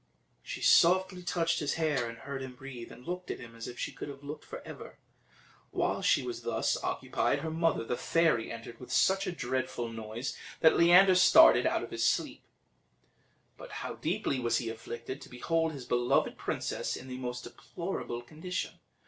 She softly touched his hair, and heard him breathe and looked at him as if she could have looked for ever. While she was thus occupied, her mother, the fairy, entered with such a dreadful noise that Leander started out of his sleep. But how deeply was he afflicted, to behold his beloved princess in the most deplorable condition!